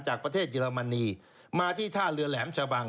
จากประเทศเยอรมนีมาที่ท่าเรือแหลมชะบัง